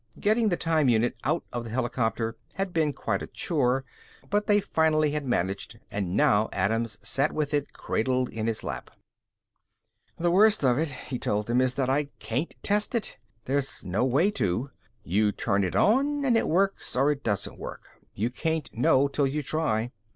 Getting the time unit out of the helicopter had been quite a chore, but they finally had managed and now Adams sat with it cradled in his lap. "The worst of it," he told them, "is that I can't test it. There's no way to. You turn it on and it works or it doesn't work. You can't know till you try."